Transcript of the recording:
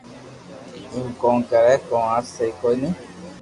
ايم ڪو ڪري ڪو آ سھي ڪوئي ني